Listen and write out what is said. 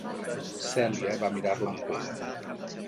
Cèlia va mirar-la amb por.